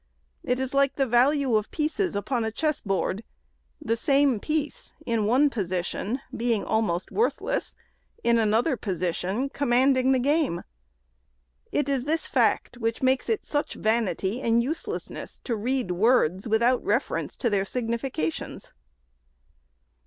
It is like the value of pieces upon a chess board; the same piece, in one position, being almost worthless, in another position commanding the game. It is this fact which makes it such vanity and uselessness to read words, without reference to their significations.